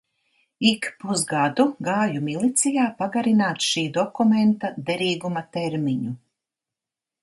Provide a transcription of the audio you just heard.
Ik pusgadu gāju milicijā pagarināt šī dokumenta derīguma termiņu.